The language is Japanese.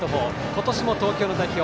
今年も東京代表